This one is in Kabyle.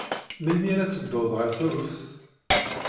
Melmi ara tedduḍ ɣer Tuṛuft?